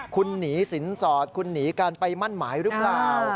คุณหนีสินสอดคุณหนีกันไปมั่นหมายหรือเปล่า